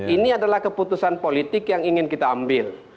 ini adalah keputusan politik yang ingin kita ambil